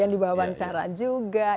yang di bawah wawancara juga